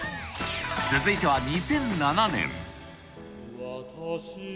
続いては２００７年。